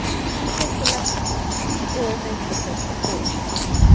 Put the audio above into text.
We take the latter course; or nature takes it for us.